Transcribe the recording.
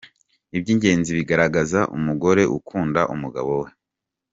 Iby’ingenzi bigaragaza umugore ukunda umugabo we.